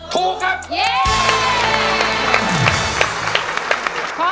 ถูกครับ